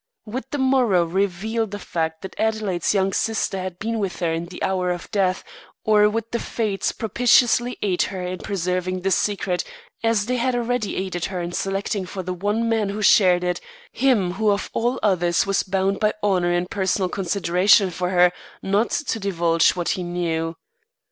Would the morrow reveal the fact that Adelaide's young sister had been with her in the hour of death, or would the fates propitiously aid her in preserving this secret as they had already aided her in selecting for the one man who shared it, him who of all others was bound by honour and personal consideration for her not to divulge what he knew.